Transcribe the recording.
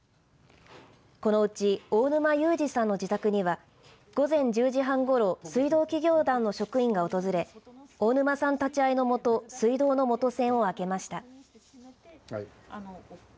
このうち大沼勇治さんの自宅には午前１０時半ごろ水道企業団の職員が訪れ大沼さん立ち合いのもと水道の元栓を開けました。